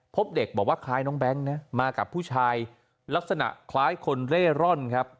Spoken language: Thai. พบเด็กบอกว่าคล้ายน้องแบงค์นะมากับผู้ชายลักษณะคล้ายคนเร่ร่อนครับ